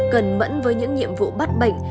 cần mẫn với những nhiệm vụ bắt bệnh